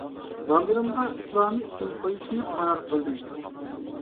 بالىلىرىمغا ئىسلامى ئىسىم قويۇشنى قارار قىلدىم.